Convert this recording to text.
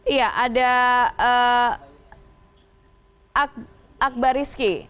iya ada akbar rizki